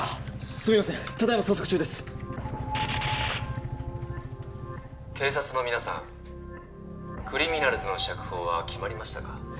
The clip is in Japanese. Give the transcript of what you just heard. すみませんただ今捜索中です警察の皆さんクリミナルズの釈放は決まりましたか？